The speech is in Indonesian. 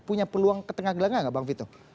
punya peluang ke tengah gelangga nggak bang vito